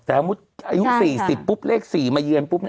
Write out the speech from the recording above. แต่อายุ๔๐ปุ๊บเลข๔มาเยือนปุ๊บ